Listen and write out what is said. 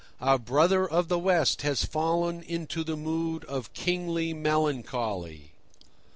our brother of the West has fallen into the mood of kingly melancholy.